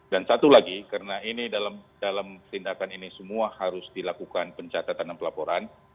dan satu lagi karena ini dalam tindakan ini semua harus dilakukan pencatatan dan pelaporan